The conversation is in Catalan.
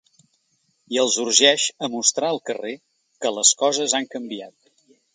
I els urgeix a mostrar al carrer ‘que les coses han canviat’.